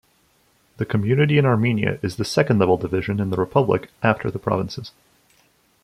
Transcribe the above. The community in Armenia is the second-level division in the republic after the provinces.